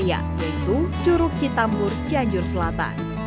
yaitu curug citambur cianjur selatan